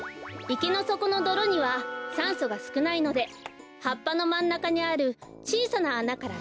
いけのそこのどろにはさんそがすくないのではっぱのまんなかにあるちいさなあなからくうきをすい